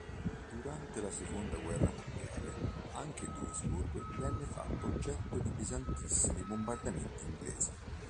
Durante la Seconda guerra mondiale, anche Duisburg venne fatta oggetto di pesantissimi bombardamenti inglesi.